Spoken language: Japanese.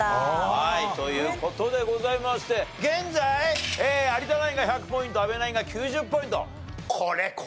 はいという事でございまして現在有田ナインが１００ポイント阿部ナインが９０ポイント。